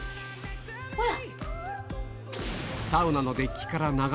ほら。